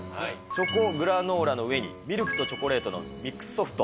チョコグラノーラの上に、ミルクとチョコレートのミックスソフト。